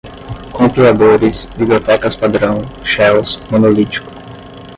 compiladores, bibliotecas-padrão, shells, monolítico